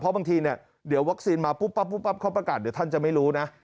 เพราะบางทีเดี๋ยววัคซีนมาปุ๊บปั๊บข้อประกาศเดี๋ยวท่านจะไม่รู้นะ